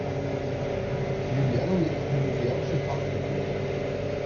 Wir lernen jetzt militärische Fachbegriffe.